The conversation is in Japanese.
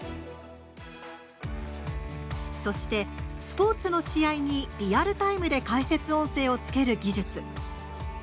そして、スポーツの試合にリアルタイムで解説音声をつける技術。